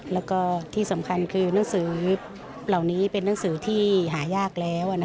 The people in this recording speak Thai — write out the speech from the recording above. แล้วก็ที่สำคัญคือหนังสือเหล่านี้เป็นหนังสือที่หายากแล้ว